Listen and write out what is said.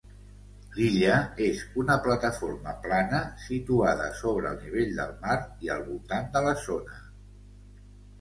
L'illa és una plataforma plana situada sobre el nivell del mar i al voltant de la zona.